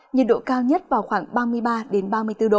nhiệt độ cao nhất vào khoảng ba mươi ba ba mươi bốn độ